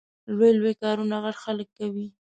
لوی لوی کارونه غټ خلګ کوي